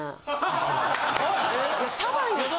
シャバいんですよ。